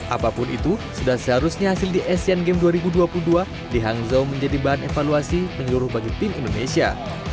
apapun itu sudah seharusnya hasil di asian games dua ribu dua puluh dua di hangzhou menjadi bahan evaluasi penyuruh bagi tim indonesia